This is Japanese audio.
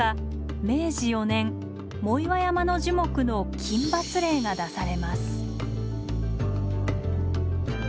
明治４年藻岩山の樹木の禁伐令が出されます。